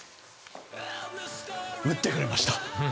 打ってくれました。